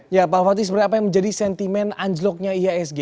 ya pak fatih sebenarnya apa yang menjadi sentimen anjloknya iasg